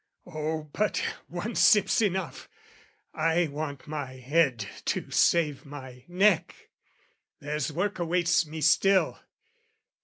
Oh, but one sip's enough! I want my head To save my neck, there's work awaits me still.